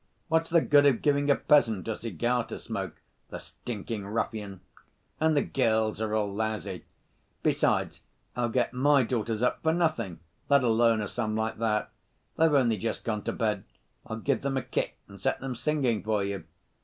What's the good of giving a peasant a cigar to smoke, the stinking ruffian! And the girls are all lousy. Besides, I'll get my daughters up for nothing, let alone a sum like that. They've only just gone to bed, I'll give them a kick and set them singing for you.